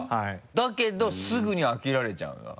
だけどすぐに飽きられちゃうんだ？